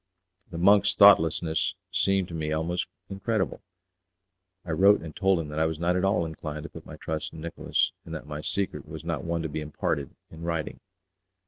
The monk's thoughtlessness seemed to me almost incredible. I wrote and told him that I was not at all inclined to put my trust in Nicolas, and that my secret was one not to be imparted in writing.